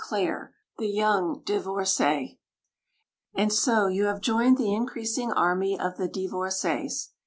Claire The Young Divorcée And so you have joined the increasing army of the divorcées.